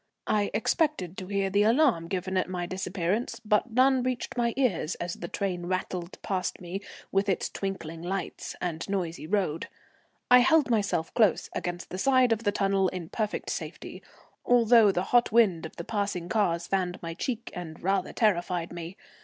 I expected to hear the alarm given at my disappearance, but none reached my ears, as the train rattled past me with its twinkling lights and noisy road. I held myself close against the side of the tunnel in perfect safety, although the hot wind of the passing cars fanned my cheek and rather terrified me.